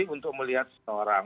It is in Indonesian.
untuk melihat seseorang